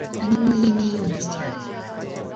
何も言えねぇようにしてやる。